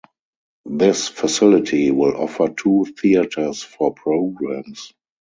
This facility will offer two theaters for programs.